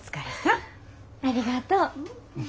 ありがとう。